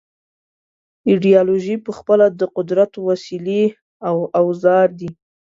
ایدیالوژۍ پخپله د قدرت وسیلې او اوزار دي.